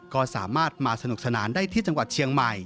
ก็สามารถมาสนุกสนานได้ที่จังหวัดเชียงใหม่